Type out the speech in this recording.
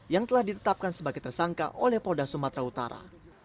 yang telah ditetapkan sebagai tersangka oleh polda sumatera utara